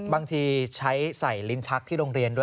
บางทีใช้ใส่ลิ้นชักที่โรงเรียนด้วย